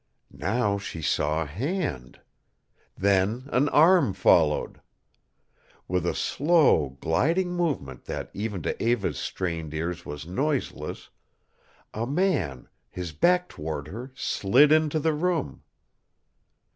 Now she saw a hand. Then an arm followed. With a slow, gliding movement that even to Eva's strained ears was noiseless, a man, his back toward her, slid into the room.